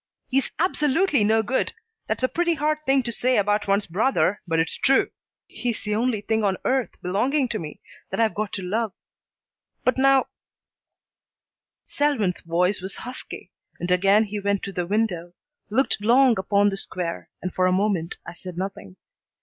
He's absolutely no good. That's a pretty hard thing to say about one's brother, but it's true. He's the only thing on earth belonging to me that I've got to love, and now " Selwyn's voice was husky, and again he went to the window, looked long upon the Square, and for a moment I said nothing.